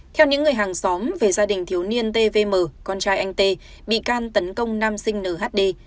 theo những người hàng xóm về gia đình thiếu niên tvm con trai anh tê bị can tấn công nam sinh nhd